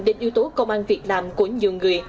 đến yếu tố công an việt nam của nhiều người